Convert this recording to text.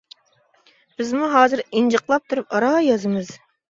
بىزمۇ ھازىر ئىنجىقلاپ تۇرۇپ ئاران يازىمىز.